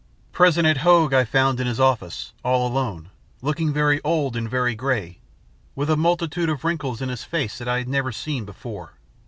"President Hoag, I found in his office, all alone, looking very old and very gray, with a multitude of wrinkles in his face that I had never seen before.